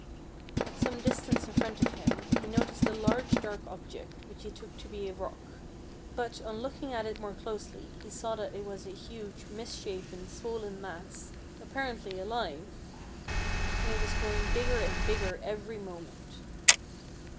At some distance in front of him he no ticed a large dark object, which he took to be a rock, but on looking at it more closely he saw that it was a huge, misshapen, swollen mass, appar ently alive. And it was growing bigger and big ger every moment.